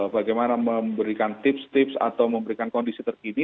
bagaimana memberikan tips tips atau memberikan kondisi terkini